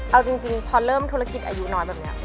เอาจริงพอเริ่มธุรกิจอายุน้อยแบบนี้